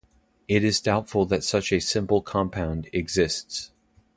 It is doubtful that such a simple compound exists.